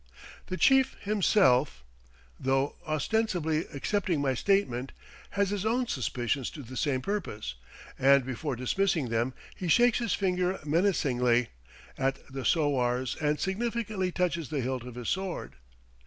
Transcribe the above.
The chief himself, though ostensibly accepting my statement, has his own suspicions to the same purpose, and before dismissing them he shakes his finger menacingly at the sowars and significantly touches the hilt of his sword.